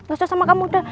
gak usah sama kamu udah